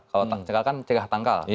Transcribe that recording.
kalau cengkal kan cegah tangkal